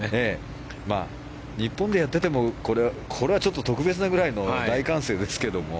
日本でやっていてもこれはちょっと特別なぐらいの大歓声ですけども。